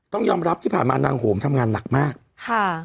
ต้องยอมรับที่ผ่านมานางโหมทำงานหนักมากค่ะ